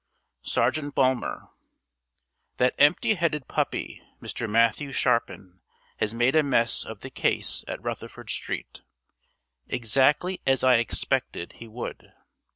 SERGEANT BULMER That empty headed puppy, Mr. Matthew Sharpin, has made a mess of the case at Rutherford Street, exactly as I expected he would.